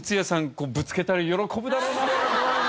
こうぶつけたら喜ぶだろうな。